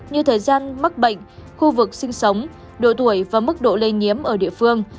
như thời gian mắc bệnh khu vực sinh sống độ tuổi và mức độ lây nhiễm ở địa phương